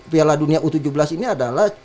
piala dunia u tujuh belas ini adalah